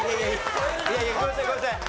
いやいやごめんなさいごめんなさい。